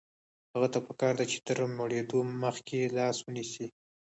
هغه ته پکار ده چې تر مړېدو مخکې لاس ونیسي.